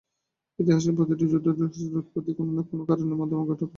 ইতিহাসের প্রতিটি যুদ্ধ এবং দুষ্কার্যের উৎপত্তি কোনো না কোনো কারণের মাধ্যমেই হঠাৎ ঘটে।